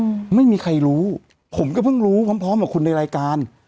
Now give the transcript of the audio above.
อืมไม่มีใครรู้ผมก็เพิ่งรู้พร้อมพร้อมกับคุณในรายการ